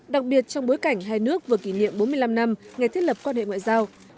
đặc biệt trong bối cảnh hai nước vừa kỷ niệm bốn mươi năm năm ngày thiết lập quan hệ ngoại giao